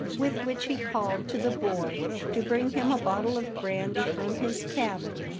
With which he called to the boy to bring him a bottle of brandy from his cabin.